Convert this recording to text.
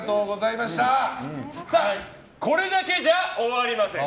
さあ、これだけじゃ終わりません！